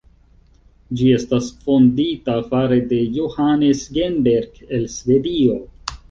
Ĝi estas fondita fare de Johannes Genberg el Svedio.